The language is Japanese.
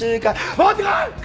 「戻ってこい！